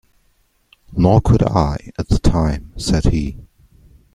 "Nor could I — at the time," said he.